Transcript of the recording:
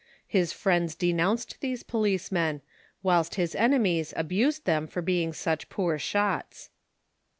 His friends denounced these policemen, whilst his enemies abused them for being such poor shots.